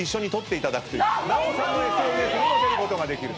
奈緒さんのＳＮＳにも出ることができる。